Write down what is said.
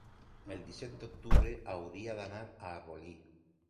el disset d'octubre hauria d'anar a Arbolí.